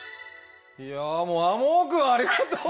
いやもう天羽くんありがとう！